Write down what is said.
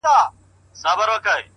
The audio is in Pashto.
سپوږمۍ ته گوره زه پر بام ولاړه يمه،